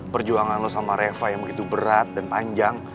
perjuangan lo sama reva yang begitu berat dan panjang